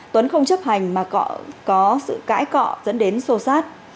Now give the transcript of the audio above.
tuấn không chấp hành mà có sự cãi cọ dẫn đến sô sát